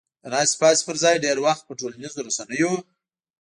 د ناستې پاستې پر ځای ډېر وخت په ټولنیزو رسنیو